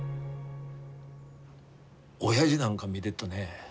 おやじなんか見でっとね